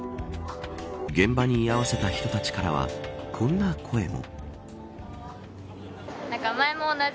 現場に居合わせた人たちからはこんな声も。